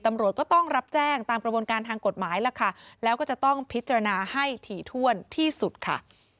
ตำรวจก็ต้องรับแจ้งตามกระบวนการทางกฎหมายล่ะค่ะแล้วก็จะต้องพิจารณาให้ถี่ถ้วนที่สุดค่ะ